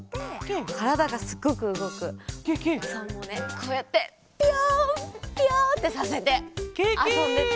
こうやってピヨンピヨンってさせてあそんでた。